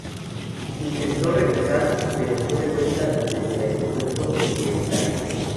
Intentó regresar, pero fue devuelta desde el Aeropuerto de El Cairo.